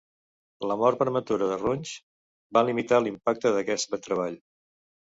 La mort prematura de Runge va limitar l'impacte d'aquest treball.